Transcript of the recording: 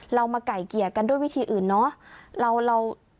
เรามาไก่เกลี่ยกันด้วยวิธีอื่นเนาะ